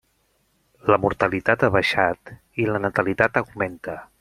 La mortalitat ha baixat i la natalitat augmenta.